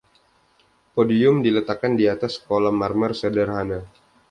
Podium diletakkan di atas kolom marmer sederhana.